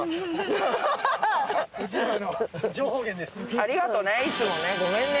ありがとうねいつもね。